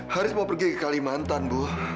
haris mau pergi ke kalimantan bu